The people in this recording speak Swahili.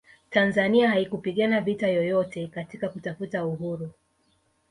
tanzania haikupigana vita yoyote katika kutafuta uhuru